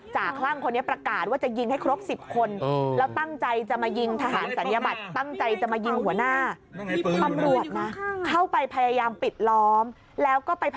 จ่าคร่างพวกนี้ประการว่าจะยิงให้ครบสิบคนแล้วตั้งใจจะมายิงทหารศัลยาบัตรตั้งใจจะมายิงหัวหน้า